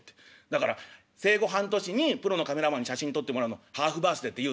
「だから生後半年にプロのカメラマンに写真撮ってもらうのハーフバースデーっていうの」。